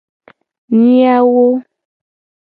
Miawo.